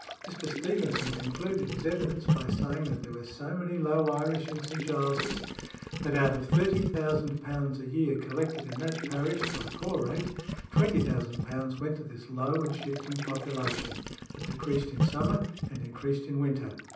Mr. Stevenson concluded his evidence by saying that there were so many low Irish in St. Giles's, that out of £30,000 a year collected in that parish by poor rate, £20,000 went to this low and shifting population, that decreased in summer and increased in winter.